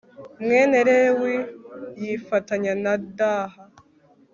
mwene Lewi yifatanya na Dah